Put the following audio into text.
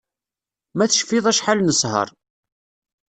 Ma tcfiḍ acḥal nesher